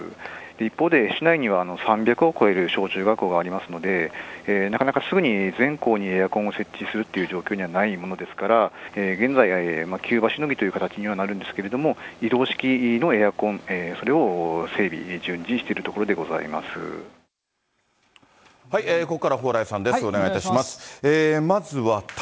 一方で、市内には３００を超える小中学校がありますので、なかなかすぐに全校にエアコンを設置するという状況にはないものですから、現在、急場しのぎという形にはなるんですけれども、移動式のエアコン、それを整備、ここからは蓬莱さんです、お願いいたします。